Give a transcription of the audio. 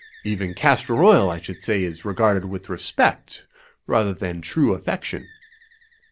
Even castor oil, I should say, is re garded with respect rather than true affection."